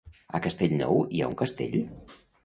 A Castellnou hi ha un castell?